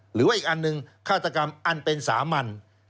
หรือว่าอีกอันหนึ่งฆาตกรรมอันเป็นสามัญ